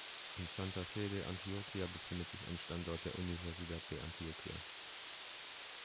In Santa Fe de Antioquia befindet sich ein Standort der Universidad de Antioquia.